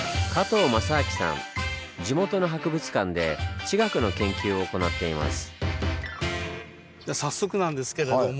地元の博物館で地学の研究を行っています。